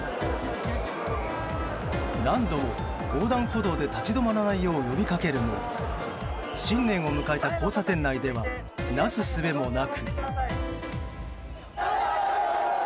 何度も、横断歩道で立ち止まらないよう呼びかけるも新年を迎えた交差点内ではなすすべもなく。